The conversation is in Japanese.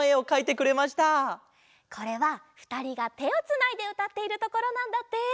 これはふたりがてをつないでうたっているところなんだって。